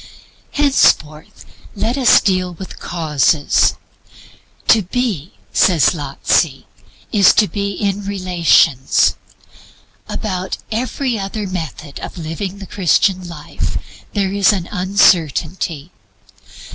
Henceforth LET US DEAL WITH CAUSES. "To be," says Lotze, "is to be in relations." About every other method of living the Christian life there is an uncertainty.